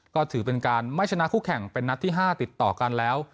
ก็ถือเป็นการไม่ชนะคู่แข่งเป็นนัดที่๕ติดต่อกันแล้ว